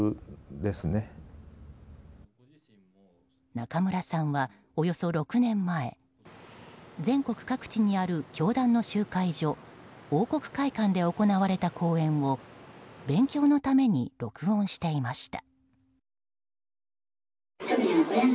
中村さんはおよそ６年前全国各地にある教団の集会所王国会館で行われた講演を勉強のために録音していました。